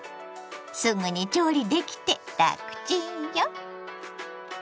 すぐに調理できてラクチンよ。